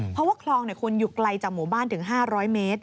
เพราะว่าคลองคุณอยู่ไกลจากหมู่บ้านถึง๕๐๐เมตร